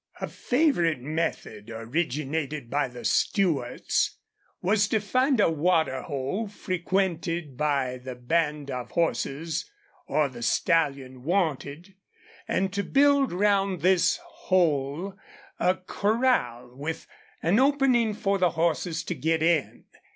A favorite method originated by the Stewarts was to find a water hole frequented by the band of horses or the stallion wanted, and to build round this hole a corral with an opening for the horses to get in.